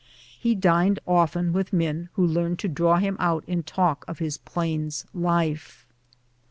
He dined often with men who learned to draw him out in talk of his Plains life.